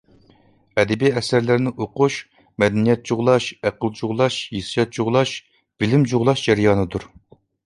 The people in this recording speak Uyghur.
ئەدەبىي ئەسەرلەرنى ئوقۇش مەدەنىيەت جۇغلاش، ئەقىل جۇغلاش، ھېسسىيات جۇغلاش، بىلىم جۇغلاش جەريانىدۇر.